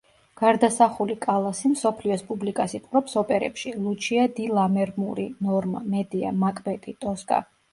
გარდასახული კალასი მსოფლიოს პუბლიკას იპყრობს ოპერებში: ლუჩია დი ლამერმური, ნორმა, მედეა, მაკბეტი, ტოსკა.